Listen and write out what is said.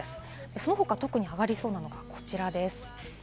その他、特に上がりそうなのがこちらです。